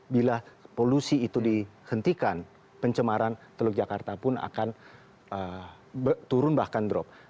bila polusi itu dihentikan pencemaran teluk jakarta pun akan turun bahkan drop